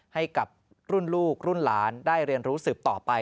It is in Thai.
ให้กับรุ่นลูกรุ่นหลานได้เรียนรู้สืบต่อไป